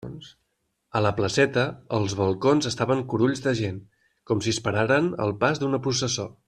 A la placeta, els balcons estaven curulls de gent, com si esperaren el pas d'una processó.